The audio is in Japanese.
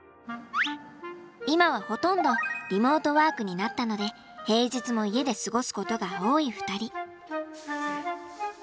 今はほとんどリモートワークになったので平日も家で過ごすことが多い２人。